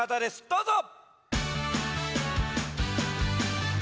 どうぞ！